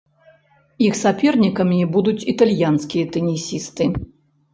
Іх сапернікамі будуць італьянскія тэнісісты.